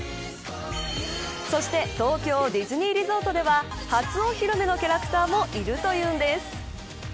そして東京ディズニーリゾートでは初お披露目のキャラクターもいるというんです。